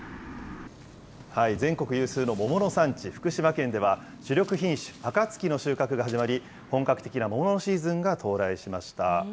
全国有数の桃の産地、福島県では、主力品種、あかつきの収穫が始まり、本格的な桃のシーズンが到来しました。